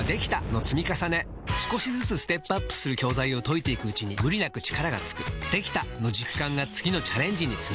少しずつステップアップする教材を解いていくうちに無理なく力がつく「できた！」の実感が次のチャレンジにつながるよし！